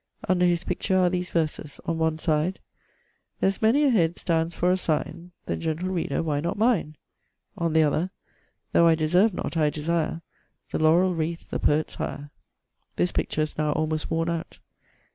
Under his picture are these verses; on one side: There's many a head stands for a signe. Then, gentle reader, why not mine? On the other: Though I deserve not, I desire The laurell wreath, the poet's hire. This picture is now almost worne out.